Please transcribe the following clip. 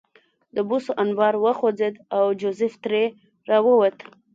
د بوسو انبار وخوځېد او جوزف ترې راووت